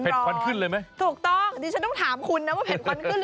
เผ็ดควันขึ้นเลยไหมถูกต้องจริงฉันต้องถามคุณนะว่าเผ็ดควันขึ้นหรือเปล่า